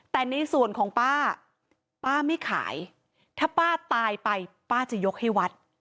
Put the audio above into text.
ถ้าป้าตายไปป้าจะยกให้วัด